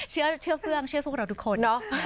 เชื่อเฟื่องเชื่อพวกเราทุกคนเนอะ